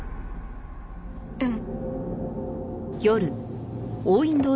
うん。